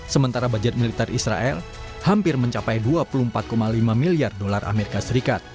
sementara budget militer israel hampir mencapai dua puluh empat lima miliar dolar as